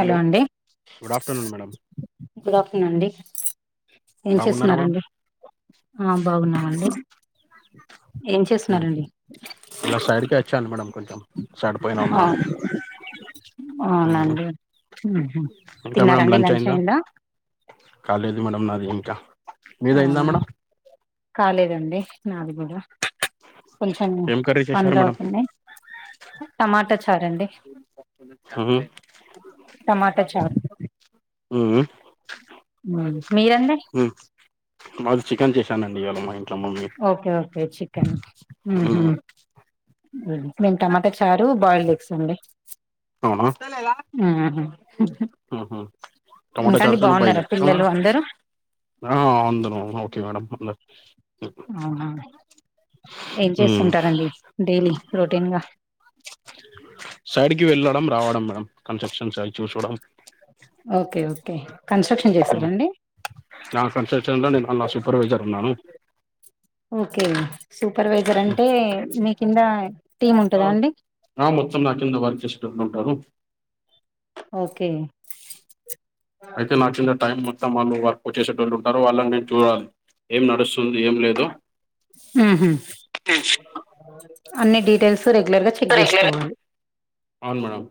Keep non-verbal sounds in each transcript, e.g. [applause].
Hello good afternoon madam good afternoon అండి ఏం బాగున్నారా మేడం చేస్తున్నారండి ఆ బాగున్నామండి ఏం చేస్తున్నారండి ఇలా సైడ్కే అచ్చాను మేడం కొంచెం సైడ్ పోన ఆ ఉన్నాను ఆహా అవునండి ఉహు ఇంకా మేడమ్ లంచ్ అయిందా కాలేదు మేడం నాది ఇంకా మీదయిందా అవునా మేడం కాలేదండి నాది కూడా కొంచెం ఏం కర్రీ చేశారు పనులు మేడం అవుతున్నాయి టమాటా చారు అండి హమ్ టమాటా చారు ఊమ్ మ్మ్. మీరండి ఉ మాది చికెన్ చేశానండి ఇయాళ మా ఇన్ ఓకే ఓకే చికెన్ ఊహు ఉమ్, మేఊ టమాటా చారు బాయిల్డ్ ఎగ్స్ అండి అవునా అవును ఊహూ టమాటో చారుతోని బాయిల్ పిల్లలు [inaudible] అందరూ ఆ అందరం ఓకే మేడం అందరూ అవునా ఏం ఉమ్. చేస్తుంటారండి డైలీ రొటీన్ గా సైడ్ కి వెళ్ళడం రావడం మేడం కన్స్ట్రక్షన్స్ అవి చూసుకోవడం ఓకే ఓకే కన్స్ట్రక్షన్ ఉమ్. చేస్తారండి నా కన్స్ట్రక్షన్ లో నేను అల్ల సూపర్వైజర్ ఉన్నాను ఓకే సూపర్వైజర్ ఉమ్. అంటే మీ కింద టీం ఉంటదా అండి ఆ మొత్తం నా కింద వర్క్ చేసేటోల్లు ఉంటరు ఓకే అయితే హుహు. నాకింద టైం మొత్తం వాళ్ళు వర్క్ చేసేట్టోలు ఉంటారు వాళ్ళని నేను చూడాలి ఏం నడుస్ ఊహూ అన్నీ డీటెయిల్స్ రెగ్యులర్ గా చె చెక్ చేసుకోవాలి అవును మేడం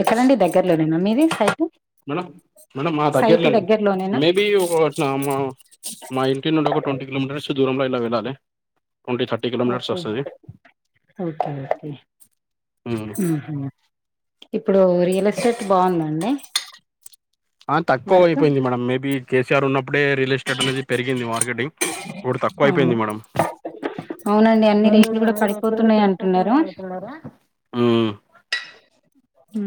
ఎక్కడండి దగ్గరలోనేనా మీది సైటు మేడం మేడం మా సైట్ దగ్గర్లోనే దగ్గరలోనేనా? మే బీ ఒక నా మా మా ఇంటి నుండి ఒక టొంటీ కిలోమీటర్స్ దూరం లో ఇలా వెళ్ళాలి టొంటీ త ఓకే ఓకే ఓకే ఊహూ ఇప్పుడు రియల్ ఎస్టేట్ బావుందండి ఆ తక్కువ వర్క్? అయిపోయింది madam maybe K see are ఉన్నప్పుడే రియలెస్ టేట్ అనేది పెరిగింది మార్కెటింగ్ ఇప్పుడు తక్కువ అవును. అయిపోయింది మేడం అవునండి. అన్ని రేట్లు మములుగా గూడా అన్నీ రేట్లు కూడా పడిపోతున్నాయి అంటున్నారు. సరిపోతున్నాయి అనుకున్నారా ఊ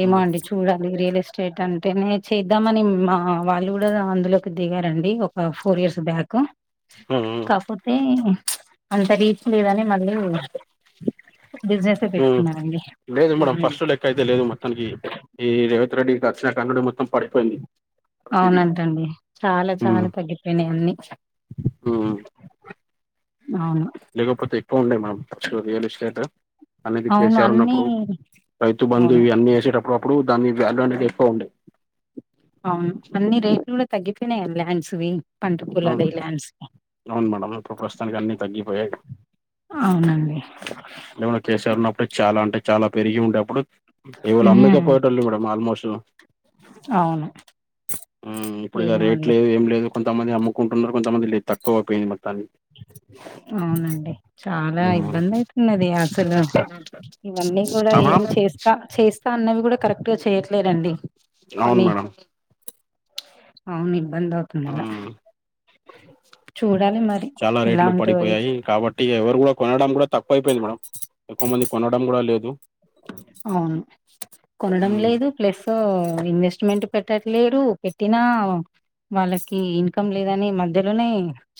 ఏమో మ్మ్. అండి చూడాలి రియల్ ఎస్టేట్ అంటేనే చేద్దామని మా వాళ్ళు గూడా అందులోకి దిగారండి ఒక ఫోర్ ఇయర్స్ బ్యాక్ మ్మ్. కాపోతే అంత రీచ్ లేదని మళ్ళీ బిజినెస్ ఏ మ్మ్. పెట్టుకున్నారండి లేదు మేడం హుహు. ఫస్ట్ లెక్క అయితే లేదు మొత్తానికి ఈ రేవంత్ రెడ్డి వచ్చిన కానుండి మొత్తం పడిపోయింది ప్రతిదీ అవునంటండి చాలా చాలా తగ్గిపోయినాయి అన్నీ ఊ అవును లేకపోతే ఎక్కువ ఉండే మేం అక్చువల్లీ రియల్ ఎస్టేట్ అనేది కే అవును సీ ఆర్ అన్ని ఉన్నప్పుడు రైతు బంధు అవును ఇవి అన్నీ వేసేటప్పుడు అప్పుడు దాని వ్యాల్యూ అనేది ఎక్కువ ఉండే అవును అన్నీ రేట్లు కూడా తగ్గిపోయినాయండి ల్యాండ్స్ వి పంట అవును పొలాలవి ల్యాండ్స్ అవును మేడం ఇప్పుడు ప్రస్తుతానికి అన్నీ తగ్గిపోయాయి అవునండి లేవుంటే కే సి ఆర్ ఉన్నప్పుడు చాలా అంటే చాలా పెరిగి ఉండే అప్పుడు ఎవలు అమ్మిక ఉమ్ పోయోటోళ్ళు గుడం ఆల్మోస్ట్ అవును ఉమ్ ఇప్పుడు ఇగ ఏమో రేట్ అండి లేదు ఏం లేదు కొంతమంది అమ్ముకుంటున్నరు కొంతమంది లేద్ తక్కువైపోయింద్ మొత్తాన్ని అవునండి చాలా ఉమ్ ఇబ్బంది అయితున్నది అసలు. ఇవన్నీ కూడా ఆ ఏం మేడం చేస్తా చేస్తా అన్నవి కూడా కరెక్టుగా చేయట్లేర్ అండి. అవును మేడం అవును ఇబ్బంది అవుతుంది అలా. ఉమ్ చూడాలి మరి చాలా ఎలా రేట్లు ఉంటో పడిపోయాయి టి కాబట్టి ఎవరు గూడా కొనడం కూడా తక్కువ అయిపోయింది మేడం ఎక్కువ మంది కొనడం గూడా లేదు. అవును కొనడం ఉమ్ లేదు ప్లస్సూ ఇన్వెస్ట్మెంట్ పెట్టట్లేరూ పెట్టినా. వాళ్ళకీ ఇన్కమ్ లేదని మధ్యలోనే.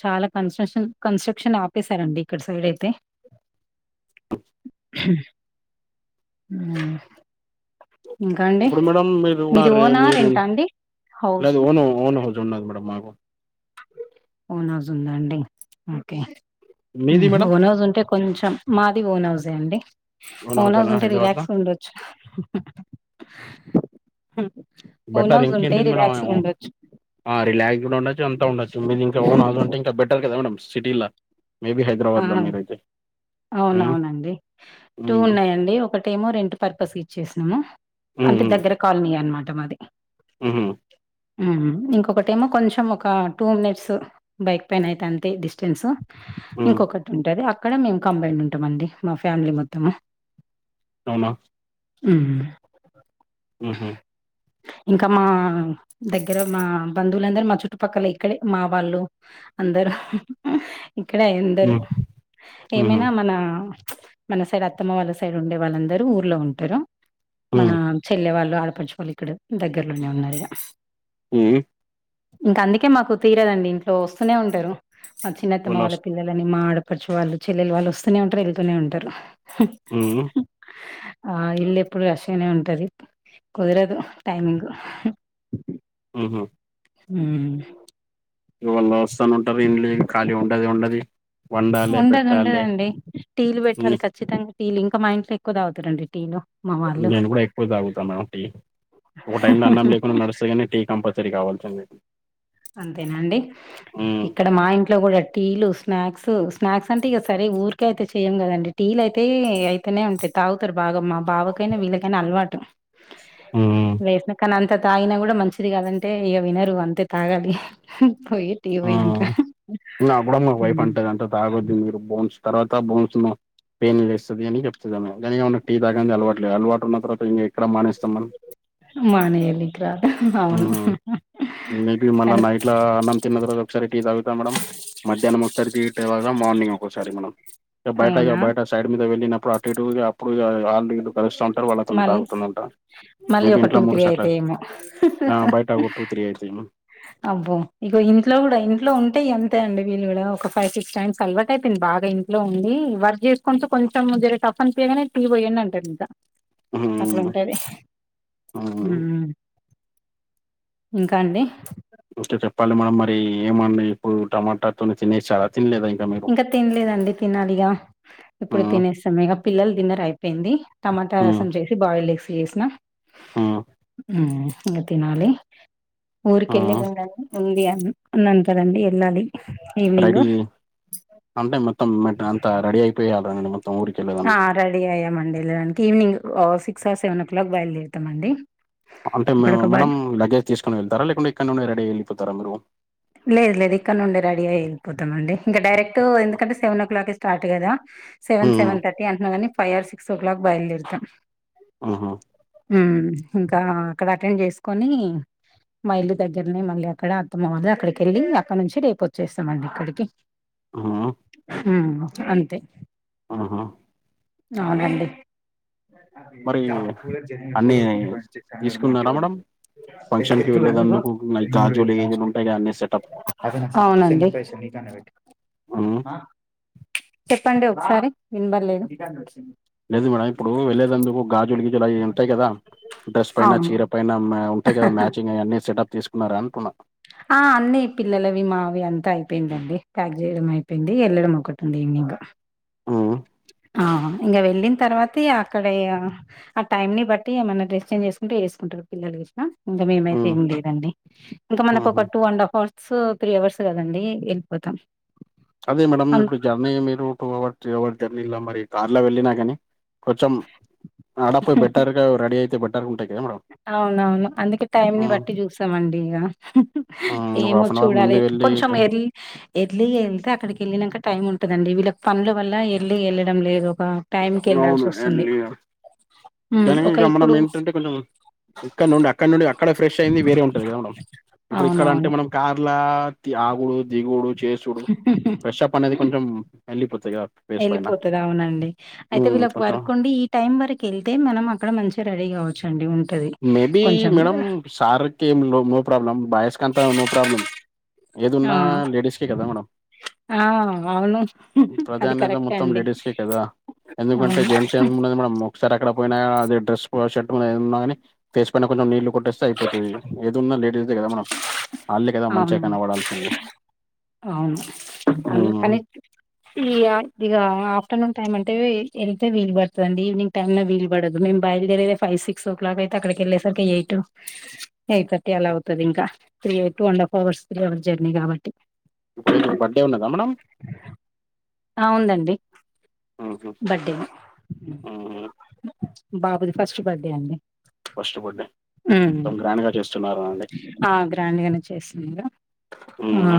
చాలా కన్స్ట్రషన్ కన్స్ట్రక్షన్ ఆపేసారండి ఇక్కడ సైడ్ అయితే. అ ఉమ్ ఉమ్ ఇప్పుడు మేడం మీరు ఉన్నారే ఓనా మీరు రెంటా అండి హౌస్ లేదు ఓను ఓను హౌస్ ఉన్నది మేడం మాకు. ఓన్ హౌస్ ఉందా అండి ఓకే మీది ఊహ్ మేడం ఓన్ హౌస్ ఉంటే. కొంచెం మాది ఓన్ హౌసే అండి ఓన్ హౌస్ హౌజేనా ఉంటే హైదరాబాద్ లో రిలాక్స్ ఉండొచ్ హుమ్మ్ ఓన్ బెటర్ హౌస్ ఉంటే ఇంకేంటిది మేడం రిలాక్స్ గా ఉండొచ్చు. ఆ రిలాక్స్డ ఉండొచ్చు అంతా ఉండొచ్చు మీది ఇంకా ఓన్ హౌస్ ఉంటే ఇంకా బెటర్ కదా మేడమ్ సిటీలా. ఆ! వాట్లా మీరైతే ఉమ్ అవునవునండి టూ ఉమ్ ఉన్నాయండి ఒకటేమో రెంట్ పర్పస్ ఇచ్చేశినము అంటే దగ్గర. కాల్ నీ అన్మాట మాది ఊహు ఊహు ఇంకొకటేమో కొంచెం ఒకా టూ మినిట్సు. బైక్ పైన అయితే అంతే డిస్టెన్సు. ఉమ్ ఇంకొకటి ఉంటది అక్కడా మేము కంబైండ్ ఉంటమండి మా ఫ్యామిలీ మొత్తము. అవునా హ్ము ఊహు [unintelligible] ఇంకా మా దగ్గర మా బంధువులందరు మా చుట్టుపక్కలె ఇక్కడే మా వాళ్ళు. అందరు ఇక్కడే ఎందరు ఉమ్ ఉహు ఏమైనా మనా. మన సైడ్ అత్తమ్మ వాళ్ళ సైడ్ ఉండే వాళ్ళందరూ ఊర్లో ఉంటరు మనా. ఉమ్ చెల్లె వాళ్ళు ఆడపడుచువాళ్ళు ఇక్కడ దగ్గరలోనే ఉన్నారు ఇగా. ఊహ్ ఇంక అందుకే మాకు తీరదండి ఇంట్లో వస్తూనే ఉంటరు మా చిన్నత్తమ్మ వాళ్ళు వాళ్ళ వస్ పిల్ పిల్లలని మా ఆడపడుచు వాళ్ళు చెల్లెలు వాళ్ళు వస్తూనే ఉంటరు ఎళ్తూనే ఉంటరు హు. ఊహ్మ్ ఆ ఇల్లు ఎప్పుడు రష్గనే ఉంటది. కుదరదు టైమింగు ఆహ హ్ము యువ వల్లాస్ ఆమె ఉంటది ఇళ్ళు ఖాళీ ఉండది ఉండది వండాలె పెట్టాలె ఉమ్ ఖచ్చితంగ టీలు ఇంకా మా ఇంట్లో ఎక్కువ తాగుతారండి టీలు మా వాళ్ళు నేను కూడ ఎక్కువ తాగుతాన టీ ఒక్కొ టైమ్ ల అన్నం లేకున్న నడుస్త గని టీ కంపల్సరీ కావల్సిందే అంతేనండి ఉమ్ ఇక మా ఇంట్లో కూడ టీలు స్నాక్స్ స్నాక్స్ అంటే ఇక సరే ఊరికె అయితే చెయ్యం గదండి టీలయితే అయితేనే ఉంటాయి తాగుతారు బాగ మా బావకైనా వీళ్ళకైనా అలవాటు ఉమ్ వేసిన కానీ అంత తాగిన కూడా మంచిది కాదంటే ఇక వినరు అంతే తాగలి పోయి టీ ఆ పోయంట తాగద్ది మీరు బోన్స్ తర్వాత [unintelligible] పెయిన్ లేస్తది అని చెప్తదిఅమే కాని టీ తాగంది అలవాట్లేదు అలవాటు ఉన్న తర్వాత ఇక్కడ మానేస్తాం మనం మానేయలికి రాదు అవును. ఉమ్ మేబి మళ్ళ కానీ నైట్ల అన్నం తిన్న తర్వాత ఒకసారి టీ తాగుత మేడం మధ్యాహ్నం ఒకసారి టీ తాగుతా మార్నింగ్ ఒకసారి మేడం ఇక బయట ఇ అవునా బయట సైడ్ మీద వెళ్ళినప్పుడు అటు ఇటు అప్పుడు ఇగ [unintelligible] వల్ల కొన్ని మళ్ తాగుతుందంట మళ్ళీ మేబి ఒక టూ ఇంట్లో మూడు త్రీ [unintelligible] అయితాయేమో. బయట ఒక టూ త్రీ [unintelligible] అబ్బో ఇగ ఇంట్లో కూడా ఇంట్లో ఉంటేయి ఎంతే అండిళ్ళ కూడ ఒక ఫైవ్ సిక్స్ టైమ్స్ అలవాక అయితేడి బాగా ఇ లో ఉంది వర్క్ చేసుకుంటూ కొంచెం జరే టఫన్ తీయగానే తీటీ పోయానుండి [unintelligible] ఉంటాది హు మ్మ్ ఇంకా అండి. ఇంకా చెప్పాలి మ్యామ్ మరి ఏమండి ఇప్పుడు టమాటాతో తినేసార తినలేద ఇంకా మీ. ఇంకా తినలేదండి తినాలి ఇగ ఆ ఇప్పుడు తినేసాము ఇగ పిల్లలు తిన్నారు అయిపోయింది టమాట ఆ రసం చే. బాయిల్ ఎగ్స్ చేసిన ఆ హ్మ్ ఇగ తినాలి. ఊరికి ఆ వెళ్ళేది ఉంది అండి ఉంది అని వెళ్ళాలి ఈవినింగ్. రెడీ అంటే మొత్తం అంతా రెడీ అయిపోయాల అండి మొత్తం ఊరి ఆ రెడీ అయ్యాం మండి వెళ్ళడానికి ఈవినింగ్ సిక్స్ ఆ సెవెన్ ఓ క్లాక్ బయలుదేరుతామండి. అంటే మే అక్కడ ఒక బ మేడం లగేజ్ తీసుకొని వెళ్తా లేకుంటే ఇక్కడ నుండి రెడీ అయి వెళ్ళిపోతారా మీరు. లేదు లేదు ఇక్కడ నుండే రెడీ అయి వెళ్ళితాం ఇంకా డైరెక్ట్ ఎందుకంటే సెవెన్ ఓ క్లాక్. స్టార్ట్ కద సెవెన్ ఉమ్ సెవెన్ థర్టీ అంటున్నా కానీ five or six o'clock బయలుదేరుతాం. ఆహా హ్మ్ ఇంకా అక్కడ అటెండ్ చేసుకొని. మ ఇల్లు దగ్గరనే మళ్ళా అక్కడ అత్తమ్మ [unintelligible] [unintelligible] అక్కడి నుంచి రేపు వచ్చేస్తామండి ఇక్కడికి. ఆ అంతే. ఆహా. అవునండి. మరి అన్ని తీసుకున్నారా మేడం ఫంక్షన్ కి వెళ్ళేదందుకు లైక్ గాజులు గీజులు ఉంటాయి కదా అన్ని సెటప్ [unintelligible] అవునండి. ఉమ్ ఆ చెప్పండి ఒకసారి వినపడలేదు లేదు మేడంమ్ ఇప్పుడు [unintelligible] గాజులు. గీజులు అవి ఉంటాయి కదా డ్రెస్ పైన అవును చీర పైన ఉంటాయి కదా మ్యాచింగ్ అన్ని సెటప్ తీసు. మరన్కున్న ఆ అన్నీ పిల్లలవి, మావి అంతయిపేయిన్దండి ప్యాక్ జేయడం అయిపేన్ది ఏళ్లడం ఒకటున్ది ఇన్గిన్క్క. ఉ మ్ ఆ ఆ ఇంగ వెళ్ళిన్ తర్వాతిగ అక్కడే ఇగ ఆ టైమ్ని బట్టి ఏమన్నా డ్రెస్ చేంజ్ చేస్కుంటే ఏస్కుంటార్రు, పిల్లలు గిట్లా ఉన్గ్ మేమైతే ఉమ్ ఏం లేదండి. ఇంకా ఉహు మనకోక two and half hours, three hours కదండి ఏల్పోతాం. అదే మేడంమ్ ఇప్పుడు జర్నీ మీరు టూ అవర్, త్రీ అవర్ జర్నీలో మరి కార్లో వెళ్ళినా గనీ. కొచం ఆడపోయి బెటర్ గా రడీ అయితే బెటర్గున్టాయి కదా మేడంమ్. అవునవును అన్దుకే టైంని బట్టి జూసామండి ఇగ హ్మ్. ఒక ఏమో హాఫ్ అన్ అవర్ ముందు చూడలే. వెళ్ళి కొన్చం ఎర్లి ఇడ్లీ ఎన్త అక్కడికేల్లినమ్క టైమ్ ఉంటదండి, వీళ్లక్ పన్ల వల్ల ఎర్లీగేల్లడం లేదు ఒక. అవును టైంకేళ్లాల్సోస్సున్ది ఎర్లీ మ్మ్ ఒక ఇప్పుడు టే కొంచెం ఇక్కన్నున్డి అక్కన్నుండి అక్కడ ఫ్రెష్ అయ్యింది, వేరే ఉంటాది కదా మేడంమ్? ఇప్పుడు ఇక్కడ అంటే అవునవును. మనం. కార్ల తి ఆగుడు దిగుడు చేసుడు ఫ్రెష్షప్ అనేది కొన్చం ఏళ్లిపోతది కదా ఫేస్ పైన ఎళ్ళిపోతది అవునండి ఐతే హ్మ్. వీళ్ళకి కొంచెం వర్కుండి ఈ టైమ్ వరకేల్తే మనం అక్కడ మంచిగా రడీ గావచండి ఉంటాది. మేబీ మేడం సార్కేమ్ నో, నో ప్రాబ్లమ్ బాయిస్కంత నో ప్రాబ్లమ్. ఏదున్న ఆ! లేడీస్కే కదా మేడం ఆ! అవును. [unintelligible] అది ప్రధాన్యత కరెక్టే మొత్తం అండి. లేడీస్కే కదా ఎందుకంటే అవును. జెంట్స్ మున్న దే మేడం ఒక్సారి అక్కడ పోయిగద అదే డ్రస్కో, షర్ట్ [unintelligible] ఎదున్నగనీ ఫేస్ పైన కొన్చెం నీళ్లు. కొట్టేస్తే అయిపోతది ఏదున్నా లేట్తది కదా మనం వాళ్ళే కదా మంచిగా అవునండి, కనపడాల్సింది అవును ఉమ్ అందుకనీ. ఈ యాక్ట్టీగ ఆఫ్టనున్ టైమ్మంటే [unintelligible] ఎల్తే, వీల్బడ్తన్డి ఈవినింగ్ టైమ్ లో వీల్పడదు మేం బయిల్దెరేదే. ఫైవ్, సిక్స్ ఓ క్లాకయితే అక్కడికేళ్ళేసర్కి ఎయిట్, ఎయిట్ థర్టీ అలా అవుతది ఇంకా త్రీఏ. టూ అన్డఫ్ హవర్స్ జ జర్నీ గాబట్టి ఇప్పుడైతే బర్త్డే ఉన్నదా మేడం ఆ ఉన్దండి ఉహు బర్త్డే నే ఉహు ఉమ్ బ బాబుది ఫస్ట్ బర్త్డేఅండి ఫస్ట్ బర్త్డే ఉ మ్ మొత్తం గ్రాండ్ గా చేస్తున్నారా అండి ఆ గ్రాండ్ గానే చేసిన్డ్ర ఆ ఉమ్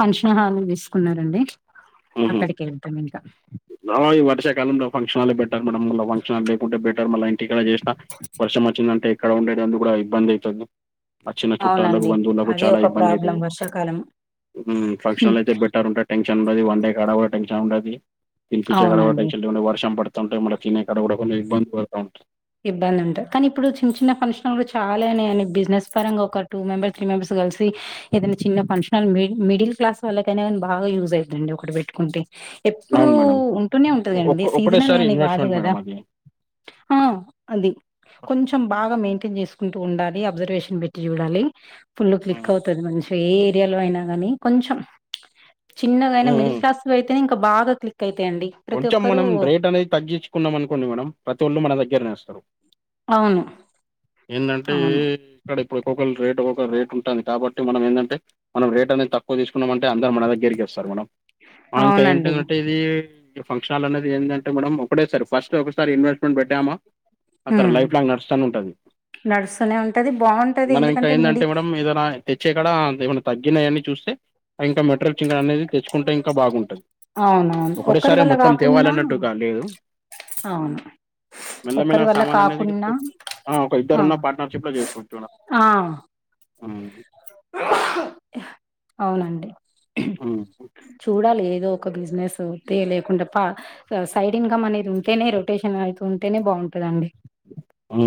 ఫంక్షన్ హాల్ తీసుకున్నారన్డి ఉహు అక్కడికేళ్తాం ఇంక ఆ ఈ వర్షకాలంలో ఫంక్షన్ హాలే బెటర్ మేడం మల్ల ఫంక్షన్ హాల్ లేకుంటే బెటర్ మల్ల ఇన్ టికాడ జేస్న వర్షం వచ్చిన్దంటే ఇక్కడ ఉండేడన్దు [unintelligible] డా ఇబ్బన్దైతుంది అచ్చిన చుట్టాలకు, అవునండి బంధువులకు అది చాలా ఒక ప్రాబ్లం ఇబ్బన్దయితున్ది వర్షాకాలం [unintelligible] మ్ హ్మ్. ఫంక్షనలైతే బెటరున్టయ్. టెన్షనున్డది వండే కాడ కూడా టెన్షన్ ఉన్డది తిన్పిచే కాడ కూడా అవునండి టెన్షన్టీ [unintelligible] వర్షం పడతున్టె మడ తినే కాడ కూడా కొన్ని ఇబ్బంది పడత ఉంటర్ ఇబ్బందున్టది కానీ ఇప్పుడు చిన్, చిన్న ఫంక్షనల్లు చాలా అయినయన్డి బిజినెస్ పరంగా ఒక టూ మెంబర్, త్రీ మెంబర్స్ కల్సి. ఏదైనా చిన్న ఫంక్షనల్ మిడి, మిడిల్ క్లాస్ వాళ్ళకైనగన్ బాగా యూజయిద్దండి ఒకటి బెట్కుంటే. ఎప్పుడు అవును మేడం. ఉంటూనే ఉన్టది ఒక్క గాన్డి సీజనలే ఒకటేసారి అని గాదు ఇన్వెస్ట్‌మెంట్ కదా మేడం అది. ఆ. అది కొంచెం బాగా మెయిన్టెన్ జేస్కుంటూ ఉండాలి, అబ్జర్వేషన్ బెట్టి చూడాలి. ఫుల్లు క్లిక్ హ్మ్. అవుతది మన్చిగ ఏ, ఏరియాలో అయినా గానీ కొంచెం చిన్నగైనా హ్మ్. మిడిల్ హ్మ్. క్లాస్. ఇవైతేనే ఇంకా బాగా క్లిక్కయితాయండి కొంచెం మనం రేట్ అనేది తగ్గించుకున్నాం అనుకోండి మేడం ప్రతి ఒళ్ళు మన దగ్గరనేవస్తారు అవును ఏందంటే అవును. ఇక్కడ ఇప్పుడు ఒక్కొక్కరు రేట్ ఒక్కొక్క రేట్ ఉంటుంది కాబట్టి మనం ఏందంటే మనం రేట్ అనేది తక్కువ తీసుకున్నామ అంటే అందరు మన దగ్గరికె వస్తారు మేడం ఇంకా అవునండి. ఏంటదంటే ఇది ఫంక్షన్ హాల్ అనేది ఏందంటే మేడం ఒకటే సారి ఫస్ట్ సో ఒకసారి ఇన్వెస్ట్మెంట్ పెట్టామా ఆ తర లైఫ్ లాంగ్ నడుస్తనే ఉంటది నడుస్తనే ఉంటది బాగుంటది ఎందుకంటే మిడి తెచ్చేకాడా అంత ఏమైనా తగ్గినై అని చూస్తే ఇంకా మెటీరిచ్ ఇంకా అనేది తెచ్చుకుంటే ఇంకా బాగుంటది అవునవును ఓక్ ఒక్ సారే మొత్తం తేవాలన్నట్టుగా లేదు అవును. మెల్ల ఒక్కరి మెల్లగ వల్ల సామాన్ అన్నీ కాకున్నా దిగుతే ఆ ఒక ఇద్దరు ఉన్న పార్ట్నర్షిప్ లో చేసుకోవచ్చు ఆ! ఆ అవునండి మ్మ్ చూడాలి ఏదో ఒక బిజినెసో తె లేకుంటే పా సైడ్ ఇన్కమ్ అనేది ఉంటేనే రొటేషన్ అయితూ ఉంటేనే బాగుంటందండి అవును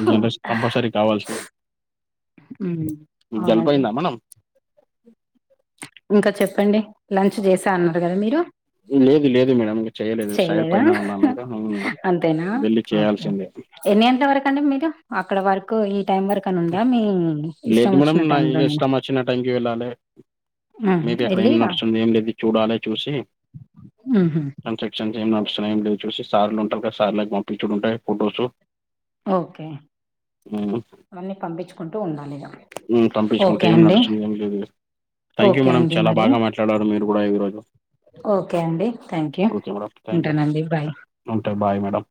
ఈ జనరేషన్ కి కంపల్సరీ కావాల్సి ఉమ్మ్ అవునండి జలుబయిందా మేడం ఇంక చెప్పండి లంచ్ చేసా అన్నారు కదా మీరు లేదు లేదు మేడం ఇంకా చేయలేదు సైడ్ చేయలేదా పైన ఉన్నాం మ్ అంతేనా వెళ్ళి ఓకే చేయాల్సిందే ఎన్ని గంటల వరకు అండి మీరు అక్కడ వరకు ఈ టైం వరకని ఉందా మీ ఇష్టం వచ్చిన టైం లో నేనా ఇచ్చిన టైమ్ కి వెళ్ళాలె ఉహు మేబి అక్కడ ఎళ్ళి ఏం రా నడుస్తుంది ఏం లేదు చూడాలే చూసి వుహుమ్ కన్స్ట్రక్షన్ ఏం నడుస్తున్నాయి ఏం లేవో చూసి సార్లుంటారు కద సార్ లకు పంపించుడు ఉంటాయి ఫొటోస్ ఓకే అన్నీ పంపించుకుంటూ ఉండాలి ఇంక ఉమ్మ్ పంపించుకుంటే ఏం నడుస్తుంది ఏం లేదు థ్యాంక్ యూ ఓకే మేడం అండి చాలా మరి బాగా మాట్లాడారు మీరు కూడా ఈ రోజు ఓకే అండి థాంక్యూవ్ ఉంటానండి బాయ్ ఉంట బాయ్ మేడం